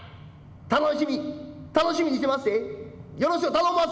楽しみ、楽しみにしてまっせ。